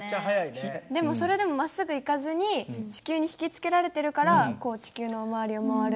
でもそれでもまっすぐ行かずに地球に引き付けられてるからこう地球の周りを回る。